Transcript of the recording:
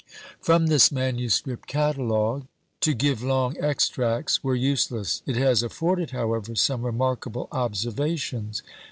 From this manuscript catalogue to give long extracts were useless; it has afforded, however, some remarkable observations.